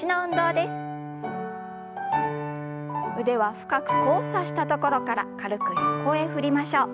腕は深く交差したところから軽く横へ振りましょう。